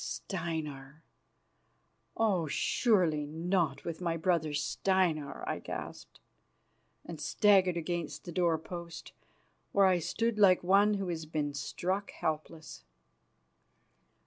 "Steinar! Oh! surely not with my brother Steinar," I gasped, and staggered against the door post, where I stood like one who has been struck helpless.